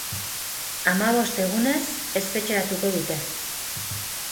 Hamabost egunez espetxeratuko dute.